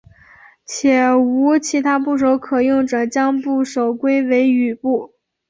且无其他部首可用者将部首归为羽部。